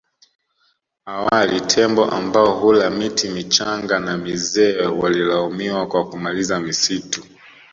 Awali tembo ambao hula miti michanga na mizee walilaumiwa kwa kumaliza misitu